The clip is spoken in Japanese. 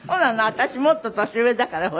私もっと年上だからほら。